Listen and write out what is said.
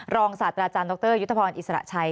ศาสตราจารย์ดรยุทธพรอิสระชัย